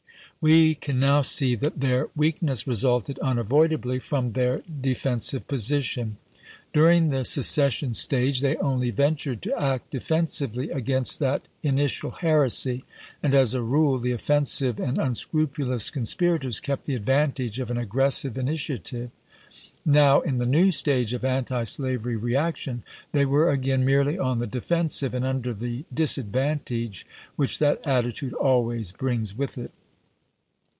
We can now see that their weakness resulted unavoidably from their defen sive position. During the secession stage they only ventured to act defensively against that in itial heresy, and as a rule the offensive and un 106 ABRAHAM LINCOLN CHAP.v. scrupulous conspii'ators kept the advantage of an aggressive initiative. Now, in the new stage of antislaveiy reaction, they were again merely on the defensive and under the disadvantage which that attitude always brings with it.